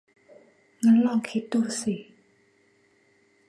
งั้นลองคิดดูสิ